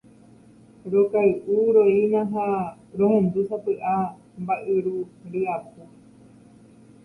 Rokay’uroína ha rohendu sapy’a mba’yru ryapu.